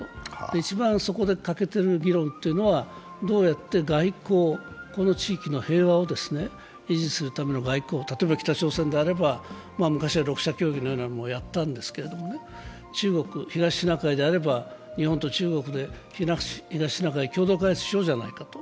一番そこで欠けている議論というのは、どうやって外交を、この地域の平和を維持するための外交、例えば北朝鮮であれば昔は６者協議のようなものをやったんですけど中国、東シナ海であれば日本と中国で東シナ海、共同開発しようじゃないかと。